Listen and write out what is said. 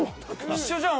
一緒じゃん